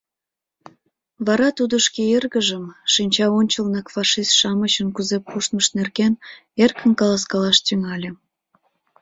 Вара тудо шке эргыжым шинча ончыланак фашист-шамычын кузе пуштмышт нерген эркын каласкалаш тӱҥале.